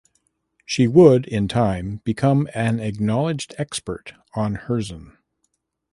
She would in time become an acknowledged expert on Herzen.